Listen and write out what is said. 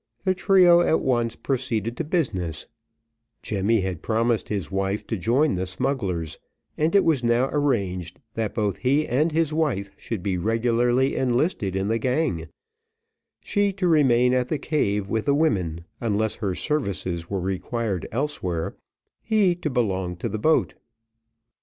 The trio at once proceeded to business: Jemmy had promised his wife to join the smugglers, and it was now arranged, that both he and his wife should be regularly enlisted in the gang, she to remain at the cave with the women, unless her services were required elsewhere, he to belong to the boat.